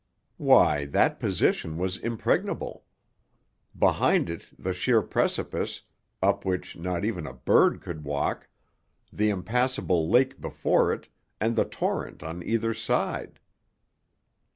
Why, that position was impregnable! Behind it the sheer precipice, up which not even a bird could walk; the impassable lake before it, and the torrent on either side!